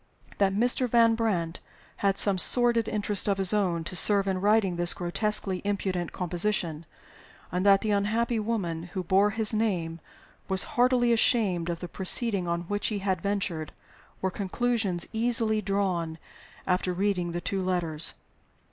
That Mr. Van Brandt had some sordid interest of his own to serve in writing this grotesquely impudent composition, and that the unhappy woman who bore his name was heartily ashamed of the proceeding on which he had ventured, were conclusions easily drawn after reading the two letters.